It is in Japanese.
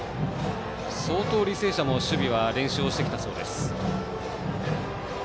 相当、履正社も守備は練習をしてきたそうです。